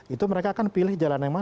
itu mereka akan pilih jalan yang mana